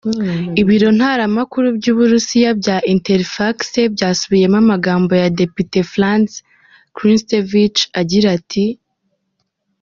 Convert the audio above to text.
Ibiro ntaramakuru by'Uburusiya bya Interfax byasubiyemo amagambo ya Depite Franz Klintsevich agira ati:.